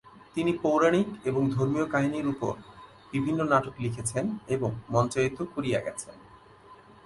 তিনি পৌরানিক এবং ধর্মীয় কাহিনীর উপর বিভিন্ন নাটক লিখেছেন এবং মঞ্চায়িত করিয়া গেছেন।